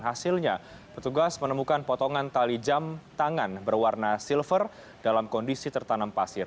hasilnya petugas menemukan potongan tali jam tangan berwarna silver dalam kondisi tertanam pasir